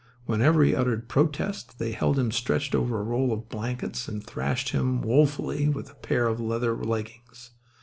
Whenever he uttered protest they held him stretched over a roll of blankets and thrashed him woefully with a pair of leather leggings.